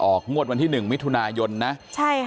งวดวันที่๑มิถุนายนนะใช่ค่ะ